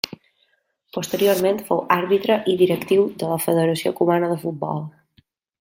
Posteriorment fou àrbitre i directiu de la Federació Cubana de Futbol.